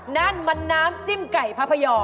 นั่นมันน้ำจิ้มไก่พระพยอม